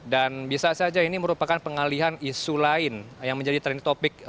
dan bisa saja ini merupakan pengalihan isu lain yang menjadi topik